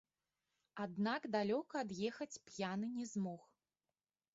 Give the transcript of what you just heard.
Аднак далёка ад'ехаць п'яны не змог.